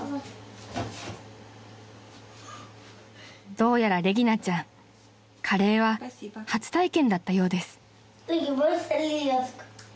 ［どうやらレギナちゃんカレーは初体験だったようです］